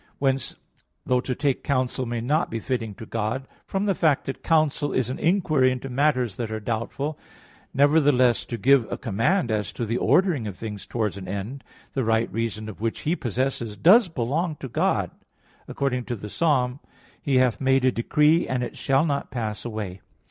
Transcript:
Whence, though to take counsel may not be fitting to God, from the fact that counsel is an inquiry into matters that are doubtful, nevertheless to give a command as to the ordering of things towards an end, the right reason of which He possesses, does belong to God, according to Ps. 148:6: "He hath made a decree, and it shall not pass away."